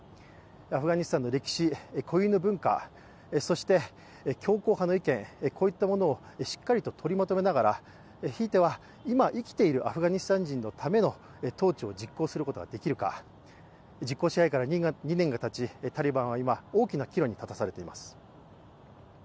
アフガニスタンの歴史、固有の文化、そして強硬派の意見、こういったものをしっかりととりまとめながらひいては今生きているアフガニスタン人のための統治を実行することができるか実効支配から２年がたち、タリバンは今、大きな岐路に立たされています。